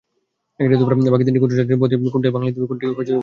বাকি তিনটি ক্ষুদ্র জাতিসত্তার বইয়ের কোনোটি বাংলা লিপিতে, কোনোটি রোমান হরফে।